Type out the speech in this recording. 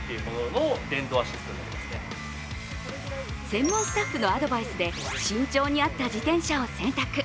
専門スタッフのアドバイスで身長に合った自転車を選択。